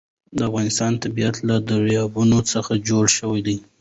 د افغانستان طبیعت له دریابونه څخه جوړ شوی دی.